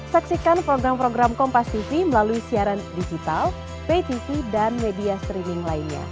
saksikan program program kompas tv melalui siaran digital pay tv dan media streaming lainnya